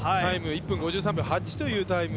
１分５３秒８というタイム。